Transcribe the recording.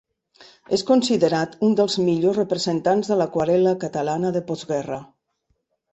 És considerat un dels millors representants de l'aquarel·la catalana de postguerra.